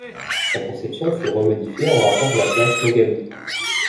Sa conception fut remodifiée en rapport à la classe Mogami.